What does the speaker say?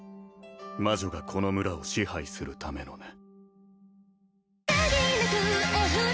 魔女がこの村を支配するためのね